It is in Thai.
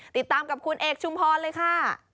ติดตามกับคุณเอกชุมพรเลยค่ะ